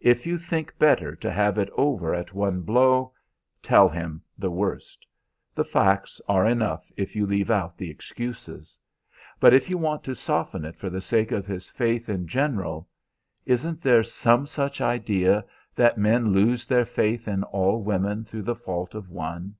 If you think better to have it over at one blow, tell him the worst. The facts are enough if you leave out the excuses. But if you want to soften it for the sake of his faith in general, isn't there some such idea, that men lose their faith in all women through the fault of one?